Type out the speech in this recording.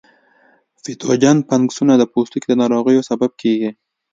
پتوجن فنګسونه د پوستکي د ناروغیو سبب کیږي.